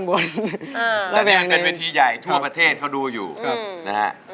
ขึ้นเวทีใหญ่ทั่วประเทศเขาดูอยู่นะฮะ